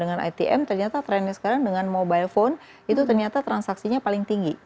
dengan itm ternyata trennya sekarang dengan mobile phone itu ternyata transaksinya paling tinggi